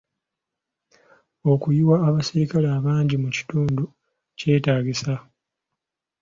Okuyiwa abaserikale abangi mu kitundu kyetaagisa?